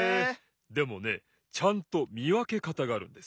でもねちゃんとみわけかたがあるんです。